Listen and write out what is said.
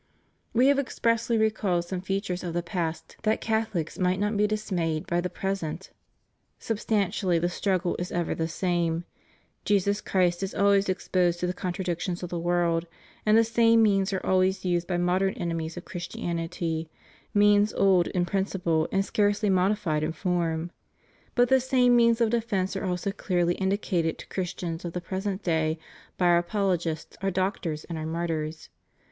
We have expressly recalled some features of the past that CathoHcs might not be dismayed by the present. Substantially the struggle is ever the same: Jesus Christ is always exposed to the contradictions of the world, and the same means are always used by modem enemies of Christianity means old in principle and scarcely modified in form; but the same means of defence are also clearly indicated to Christians of the present day by our apolo gists, our doctors and our martyrs.